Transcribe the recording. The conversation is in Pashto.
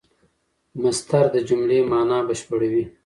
مصدر د جملې مانا بشپړوي.